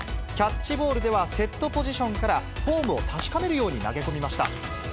キャッチボールでは、セットポジションからフォームを確かめるように投げ込みました。